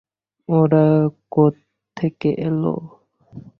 ওরা কোত্থেকে এলো?